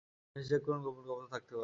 নীচে চেক করুন গোপন কক্ষ থাকতে পারে।